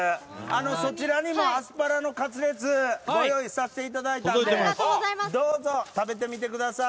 そちらにもアスパラのカツレツ、ご用意させていただいたので、どうぞ食べてみてください。